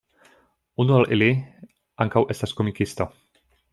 Unu el ili ankaŭ estas komikisto.